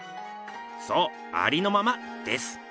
そう「ありのまま」です。